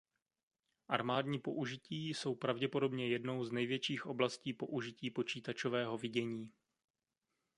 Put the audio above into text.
Armádní použití jsou pravděpodobně jednou z největších oblastí použití počítačového vidění.